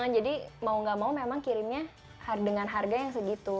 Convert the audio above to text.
jadi mau tidak mau memang kirimnya dengan harga yang segitu